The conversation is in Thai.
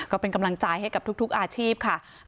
ก็เป็นกำลังใจให้กับทุกอาชีพค่ะ